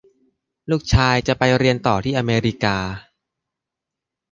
ลูกชายจะไปเรียนต่อที่อเมริกา